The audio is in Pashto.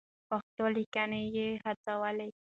پښتو ليکنې يې هڅولې.